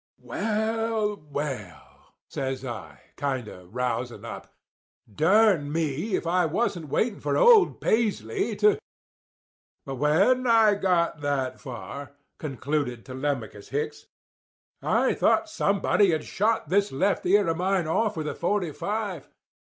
"'Well, well!' says I, kind of rousing up. 'Durn me if I wasn't waiting for old Paisley to—' "But when I got that far," concluded Telemachus Hicks, "I thought somebody had shot this left ear of mine off with a forty five.